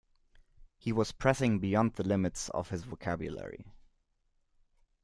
He was pressing beyond the limits of his vocabulary.